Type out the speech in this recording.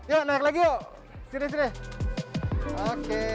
yuk naik lagi yuk sini sini